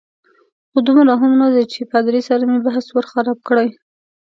خو دومره هم نه چې له پادري سره مې بحث ور خراب کړي.